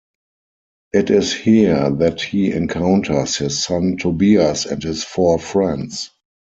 It is here that he encounters his son Tobias and his four friends.